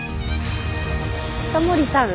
タモリさん。